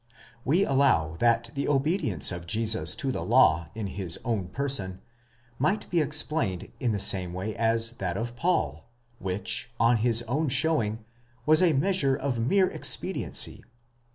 1° We allow that the obedience of Jesus to the law in his own person, might be explained in the same way as that of Paul, which, on his own showing, was a measure of mere expediency